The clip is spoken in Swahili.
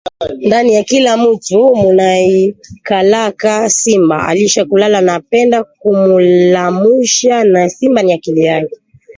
Ndani ya kila mutu munaikalaka simba alisha kulala anapenda kumulamusha na simba ni akili yake